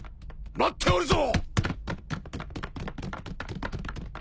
待っておるぞ！